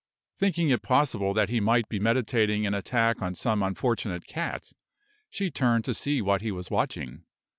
Thinking it possible that he might be meditating an attack on some unfortunate cat, she turned to see what he was watching.